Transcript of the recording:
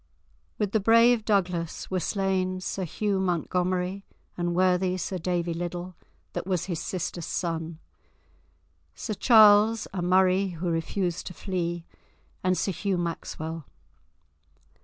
With the brave Douglas were slain Sir Hugh Montgomery, and worthy Sir Davy Liddle, that was his sister's son; Sir Charles, a Murray who refused to flee, and Sir Hugh Maxwell.